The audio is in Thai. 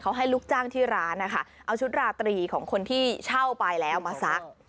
เขาให้ลูกจ้างที่ร้านนะคะเอาชุดราตรีของคนที่เช่าไปแล้วมาซัก